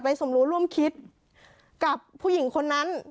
สมรู้ร่วมคิดกับผู้หญิงคนนั้น